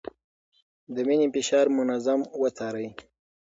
د وينې فشار منظم وڅارئ.